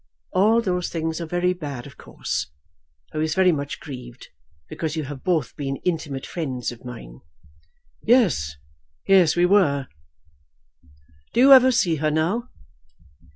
"All those things are very bad of course. I was very much grieved, because you have both been intimate friends of mine." "Yes, yes; we were. Do you ever see her now?"